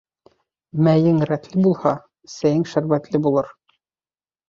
Мәйең рәтле булһа, сәйең шәрбәтле булыр.